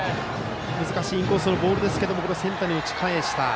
難しいインコースのボールですがセンターに打ち返した。